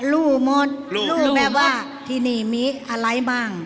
รู้หมดรู้แบบว่าที่นี่มีอะไรบ้าง